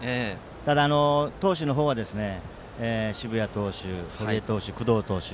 ただ、投手の方は澁谷投手、堀江投手、工藤投手。